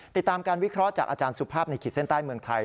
ติดตามการวิเคราะห์จากอาจารย์สุภาพในขีดเส้นใต้เมืองไทย